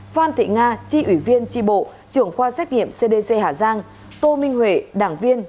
phan thị nga chi ủy viên tri bộ trưởng khoa xét nghiệm cdc hà giang tô minh huệ đảng viên